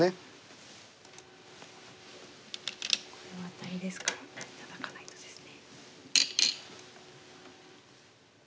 これもアタリですから頂かないとですね。